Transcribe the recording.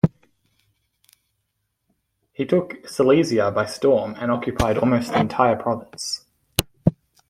He took Silesia by storm and occupied almost the entire province.